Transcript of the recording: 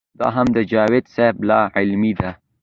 دا هم د جاوېد صېب لا علمي ده